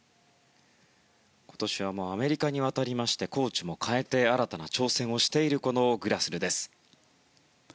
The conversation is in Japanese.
今年はアメリカに渡りコーチも変えて新たな挑戦をしているグラスルです。